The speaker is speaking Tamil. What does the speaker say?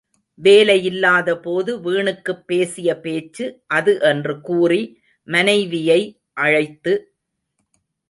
வேலையில்லாதபோது வீணுக்குப் பேசிய பேச்சு அது என்று கூறி, மனைவியை அழைத்து.